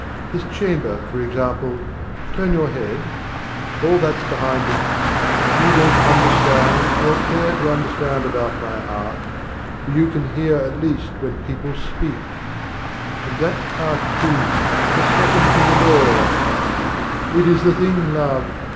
This chamber for example turn your head All that's behind us! You don't understand Nor care to understand about my art, But you can hear at least when people speak: And that cartoon, the second from the door It is the thing, Love!